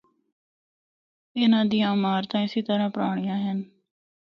اِنّاں دیاں عمارتاں اسی طرح پرانڑیاں ہن۔